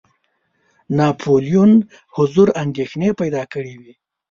ناپولیون حضور اندېښنې پیدا کړي وې.